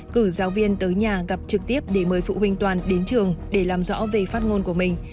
cử giáo viên tới nhà gặp trực tiếp để mời phụ huynh toàn đến trường để làm rõ về phát ngôn của mình